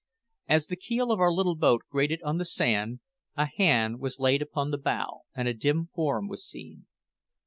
As the keel of our little boat grated on the sand, a hand was laid upon the bow, and a dim form was seen.